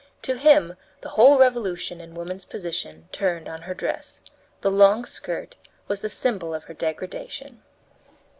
To him the whole revolution in woman's position turned on her dress. The long skirt was the symbol of her degradation.